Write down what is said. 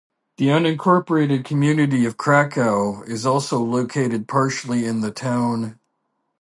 The unincorporated community of Krakow is also located partially in the town.